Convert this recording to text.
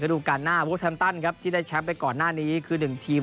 ดูการหน้าวูแฮมตันครับที่ได้แชมป์ไปก่อนหน้านี้คือ๑ทีม